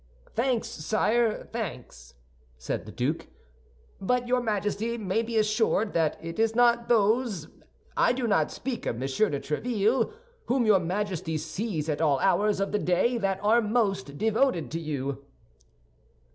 "Thanks, sire, thanks," said the duke; "but your Majesty may be assured that it is not those—I do not speak of Monsieur de Tréville—whom your Majesty sees at all hours of the day that are most devoted to you."